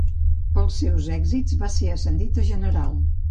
Pels seus èxits va ser ascendit a general.